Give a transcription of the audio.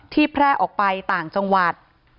แพร่ออกไปต่างจังหวัด